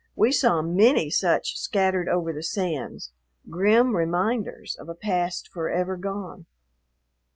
We saw many such scattered over the sands, grim reminders of a past forever gone.